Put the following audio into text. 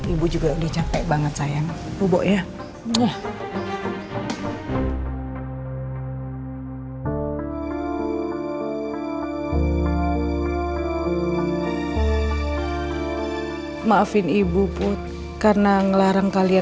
ibu juga udah capek banget sayang